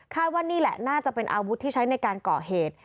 ว่านี่แหละน่าจะเป็นอาวุธที่ใช้ในการก่อเหตุ